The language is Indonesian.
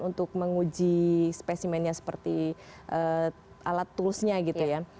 untuk menguji spesimennya seperti alat toolsnya gitu ya